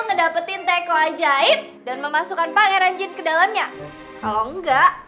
mendapetin tegla jaib dan memasukkan pangeran jin ke dalamnya kalau enggak